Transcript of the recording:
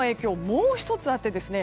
もう１つあってですね